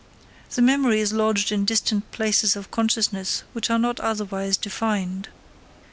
The memory is lodged in distant planes of consciousness which are not otherwise defined.